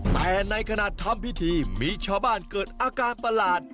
แต่ในขณะทำพิธีมีชาวบ้านเกิดอาการประหลาด